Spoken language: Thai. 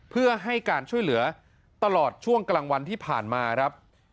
เพื่อให้การช่วยเหลือตลอดช่วงกลางวันที่ผ่านมาครับ